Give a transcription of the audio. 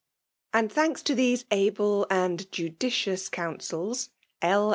And^ thanks to these able and judicious coun* aehb L.